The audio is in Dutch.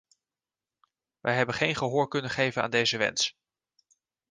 Wij hebben geen gehoor kunnen geven aan deze wens.